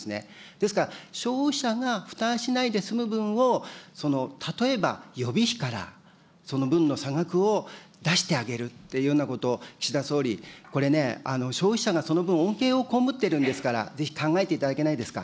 ですから、消費者が負担しないで済む分を、例えば予備費から、その分の差額を出してあげるっていうようなこと、岸田総理、これね、消費者がその分、恩恵を被ってるんですから、ぜひ考えていただけないですか。